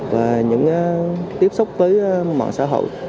và những tiếp xúc với mọi xã hội